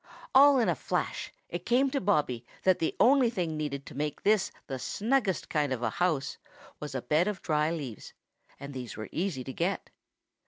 All in a flash it came to Bobby that the only thing needed to make this the snuggest kind of a house was a bed of dry leaves, and these were easy to get.